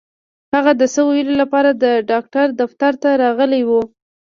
هغه د څه ويلو لپاره د ډاکټر دفتر ته راغلې وه.